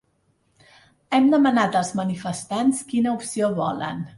Hem demanat als manifestants quina opció volen.